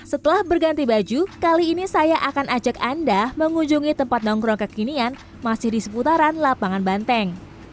setelah berganti baju kali ini saya akan ajak anda mengunjungi tempat nongkrong kekinian masih di seputaran lapangan banteng